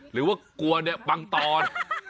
หรือว่ากลัวเนี่ยบางตอน